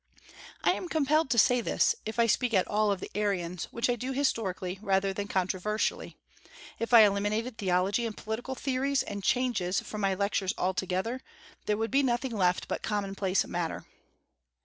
I am compelled to say this, if I speak at all of the Arians, which I do historically rather than controversially. If I eliminated theology and political theories and changes from my Lectures altogether, there would be nothing left but commonplace matter.